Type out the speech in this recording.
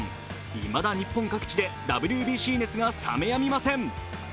いまだ日本各地でＷＢＣ熱が冷めやみません。